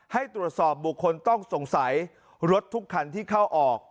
ให้ตรวจสอบบุคคลต้องสงสัยรถทุกคันที่เข้าออก